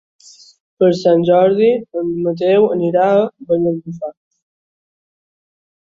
Per Sant Jordi en Mateu anirà a Banyalbufar.